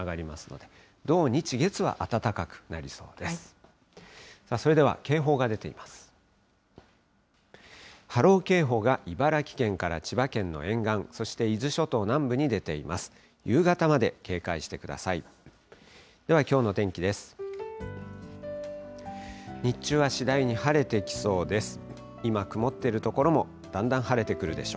ではきょうの天気です。